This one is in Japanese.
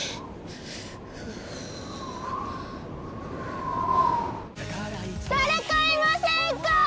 ふう誰かいませんかー！